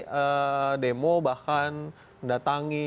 kami sudah demo bahkan datangi